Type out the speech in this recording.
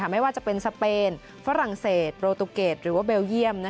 ไม่ว่าจะเป็นสเปนฝรั่งเศสโปรตูเกตหรือว่าเบลเยี่ยม